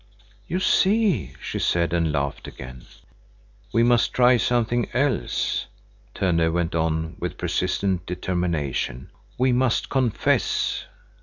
"You see," she said, and laughed again. "We must try something else," Tönne went on with persistent determination. "We must confess."